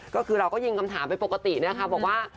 ก็คือเราก็ยิงคำถามไปปกตินะคะบอกว่า